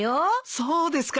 そうですか。